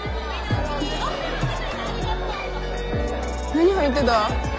何入ってた？